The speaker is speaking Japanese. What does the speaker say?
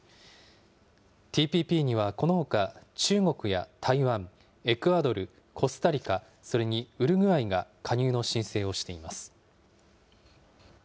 ＴＰＰにはこのほか中国や台湾、エクアドル、コスタリカ、それにウルグアイが加入の申請をしています。